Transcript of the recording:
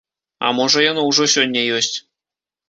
А можа яно ўжо сёння ёсць.